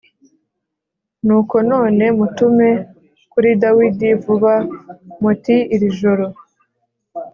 Nuko none mutume kuri Dawidi vuba muti Irijoro